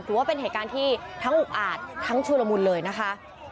ถือว่าเป็นเหตุการณ์ที่ทั้งอุกอาจทั้งชุลมุนเลยนะคะ